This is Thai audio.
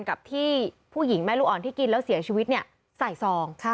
กับที่ผู้หญิงแม่ลูกอ่อนที่กินแล้วเสียชีวิตใส่ซอง